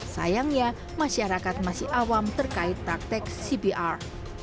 sayangnya masyarakat masih awam terkait praktek cpr